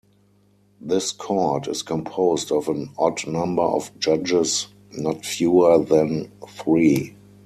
This Court is composed of an odd number of judges not fewer than three.